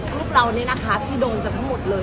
รูปราวนี้นะคะที่โดนตะทะหมดเลย